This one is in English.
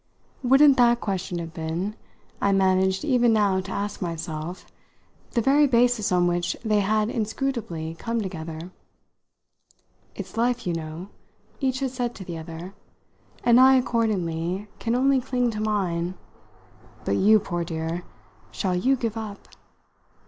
Wouldn't that question have been, I managed even now to ask myself, the very basis on which they had inscrutably come together? "It's life, you know," each had said to the other, "and I, accordingly, can only cling to mine. But you, poor dear shall you give up?"